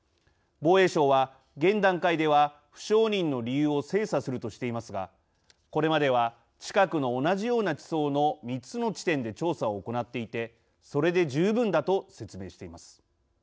防衛省は、現段階では「不承認の理由を精査する」としていますがこれまでは近くの同じような地層の３つの地点で調査を行っていてそれで十分だと説明しています。